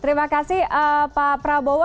terima kasih pak prabowo